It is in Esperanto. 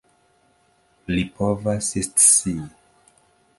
Li povas scii.